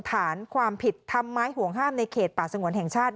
ฐานความผิดทำไมห่วงห้ามในเขตป่าสงวนแห่งชาติ